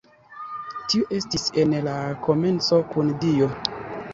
Tiu estis en la komenco kun Dio.